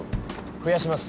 増やします。